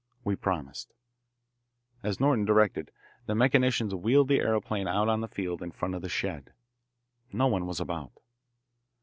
We promised. As Norton directed, the mechanicians wheeled the aeroplane out on the field in front of the shed. No one was about.